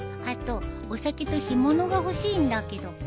あとお酒と干物が欲しいんだけど。